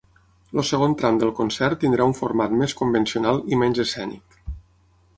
El segon tram del concert tindrà un format més convencional i menys escènic.